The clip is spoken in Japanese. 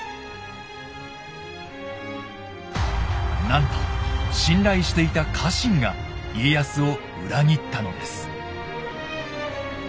なんと信頼していた家臣が家康を裏切ったのです。